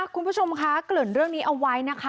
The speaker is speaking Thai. คุณผู้ชมคะเกริ่นเรื่องนี้เอาไว้นะคะ